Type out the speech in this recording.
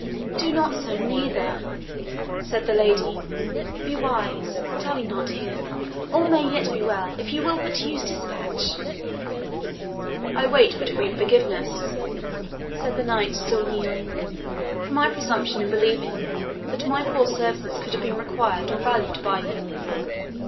"Do not so, neither," said the lady. "Be wise dally not here; all may yet be well, if you will but use dispatch." "I wait but for your forgiveness," said the knight, still kneeling, "for my presumption in believing that my poor services could have been required or valued by you."